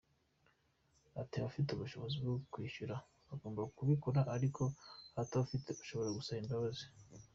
Ati” Abafite ubushobozi bwo kwishyura bagomba kubikora ariko abatabufite bashobora gusaba imbabazi.